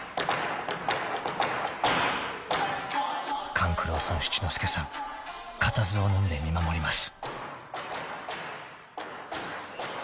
［勘九郎さん七之助さん固唾をのんで見守ります］